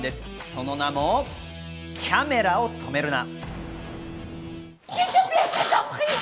その名も『キャメラを止めるな！』。